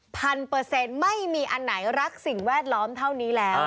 เปอร์เซ็นต์ไม่มีอันไหนรักสิ่งแวดล้อมเท่านี้แล้ว